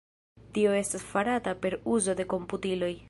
Tio estas farata per uzo de komputiloj.